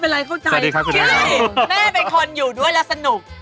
เฮ้ยไม่เป็นไรเข้าใจแม่เป็นคนอยู่ด้วยแล้วสนุก